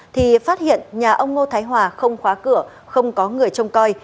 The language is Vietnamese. thì phát hiện nhà ông ngô thái hòa không khóa cửa không có người trông coi